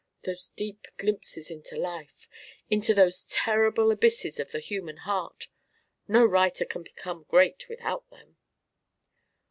Those deep glimpses into life into those terrible abysses of the human heart no writer can become great without them."